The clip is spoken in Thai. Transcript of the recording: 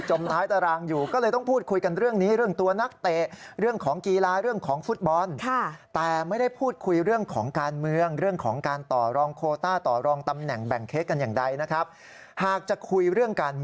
ท้ายตารางอยู่ก็เลยต้องพูดคุยกันเรื่องนี้เรื่องตัวนักเตะเรื่องของกีฬาเรื่องของฟุตบอล